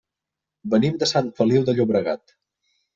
Venim de Sant Feliu de Llobregat.